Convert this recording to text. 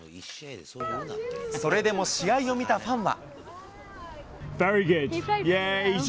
それでも試合を見たファンは。